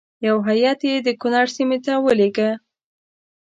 یو هیات یې د کنړ سیمې ته ولېږه.